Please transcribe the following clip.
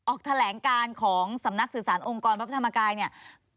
ออกแถลงการของสำนักสื่อสารองค์กรพระธรรมกายเนี่ย